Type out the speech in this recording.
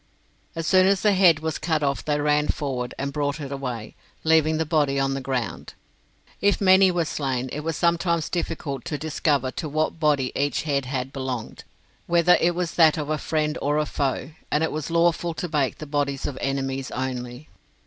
As soon as a head was cut off they ran forward, and brought it away, leaving the body on the ground. If many were slain it was sometimes difficult to discover to what body each head had belonged, whether it was that of a friend or a foe, and it was lawful to bake the bodies of enemies only.